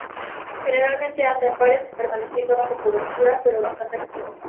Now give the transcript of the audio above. Generalmente anda en pares, permaneciendo bajo cobertura, pero bastante activo.